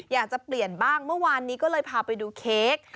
อยากจะเปลี่ยนบ้างเมื่อวานนี้ก็เลยพาไปดูเค้ก